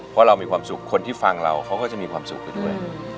เพราะเรามีความสุขคนที่ฟังเราเขาก็จะมีความสุขไปด้วย